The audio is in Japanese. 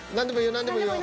何でもいいよ